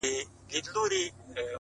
زما بېله عقیده ده